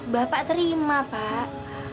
bapak terima pak